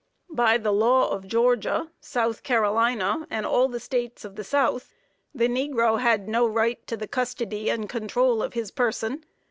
By the law of Georgia, South Carolina, and all the states of the South, the negro had no right to the custody and control of his person.